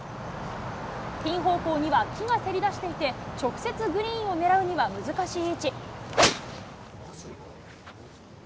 ピン方向には木がせり出していて、直接グリーンを狙うには難しい位置。